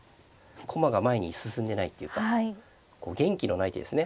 駒が前に進んでないっていうかこう元気のない手ですね。